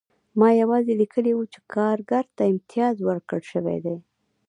ما یوازې لیکلي وو چې کارګر ته امتیاز ورکړل شوی دی